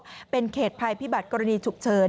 ว่าเป็นเขตภัยพิบัติกรณีฉุกเฉิน